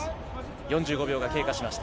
４５秒が経過しました。